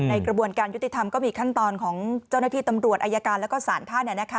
กระบวนการยุติธรรมก็มีขั้นตอนของเจ้าหน้าที่ตำรวจอายการแล้วก็สารท่าน